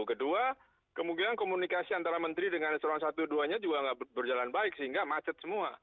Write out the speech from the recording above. kedua kemudian komunikasi antara menteri dengan seorang satu duanya juga tidak berjalan baik sehingga macet semua